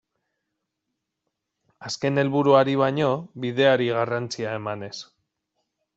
Azken helburuari baino bideari garrantzia emanez.